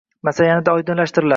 masala yanada oydinlashtiriladi.